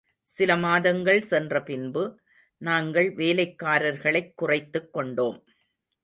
சில மாதங்கள் சென்ற பின்பு, நாங்கள் வேலைக்காரர்களைக் குறைத்துக் கொண்டோம்.